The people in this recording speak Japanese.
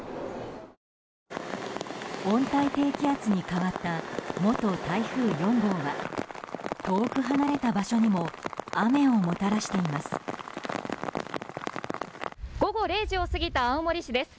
温帯低気圧に変わった元台風４号は遠く離れた場所にも雨をもたらしています。